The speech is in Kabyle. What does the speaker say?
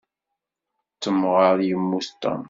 S temɣer i yemmut Tom.